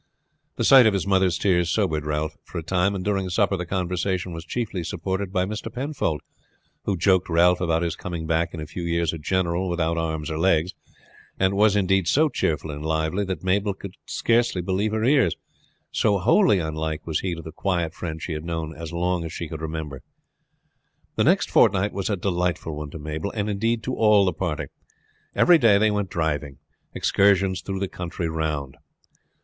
The sight of his mother's tears sobered Ralph for a time, and during supper the conversation was chiefly supported by Mr. Penfold, who joked Ralph about his coming back in a few years a general without arms or legs; and was, indeed, so cheerful and lively that Mabel could scarcely believe her ears, so wholly unlike was he to the quiet friend she had known as long as she could remember. The next fortnight was a delightful one to Mabel, and indeed to all the party. Every day they went driving excursions through the country round.